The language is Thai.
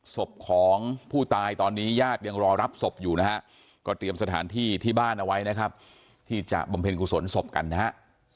ศพของผู้ตายตอนนี้ญาติยังรอรับศพอยู่นะฮะก็เตรียมสถานที่ที่บ้านเอาไว้นะครับที่จะบำเพ็ญกุศลศพกันนะฮะ